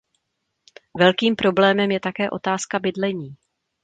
Velkým problémem je také otázka bydlení.